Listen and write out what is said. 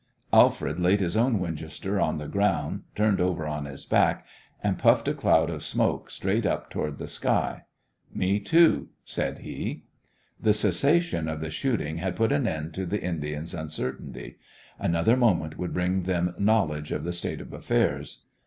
Alfred laid his own Winchester on the ground, turned over on his back, and puffed a cloud of smoke straight up toward the sky. "Me, too," said he. The cessation of the shooting had put an end to the Indians' uncertainty. Another moment would bring them knowledge of the state of affairs.